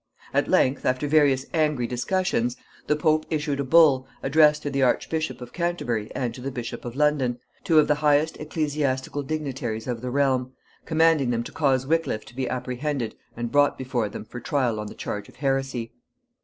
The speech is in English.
At length, after various angry discussions, the Pope issued a bull, addressed to the Archbishop of Canterbury and to the Bishop of London, two of the highest ecclesiastical dignitaries of the realm, commanding them to cause Wickliffe to be apprehended and brought before them for trial on the charge of heresy.